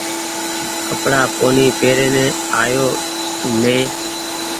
ڪپڙآ ڪونيٚ پيرين آيو نئي ۔